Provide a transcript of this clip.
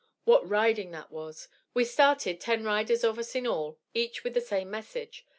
What riding that was! We started, ten riders of us in all, each with the same message.